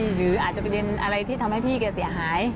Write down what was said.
หรืออาจจะประเด็นอะไรที่ทำให้พี่แกเสียหาย